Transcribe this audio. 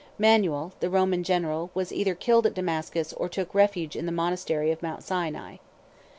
77 Manuel, the Roman general, was either killed at Damascus, or took refuge in the monastery of Mount Sinai.